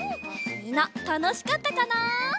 みんなたのしかったかな？